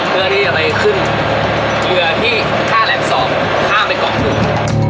เพื่อที่จะไปขึ้นเรือที่ท่าแหลมสองข้ามไปเกาะอยู่